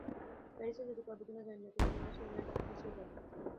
প্যারিসে যেতে পারব কিনা জানি না, কিন্তু মে মাসে ইংলণ্ডে অবশ্যই যাব।